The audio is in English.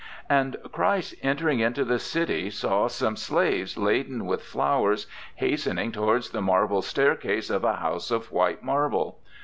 And Christ entering into the city saw some slaves laden with flowers, hastening towards the marble staircase of a house of white marble.